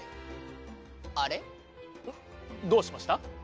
どうしました？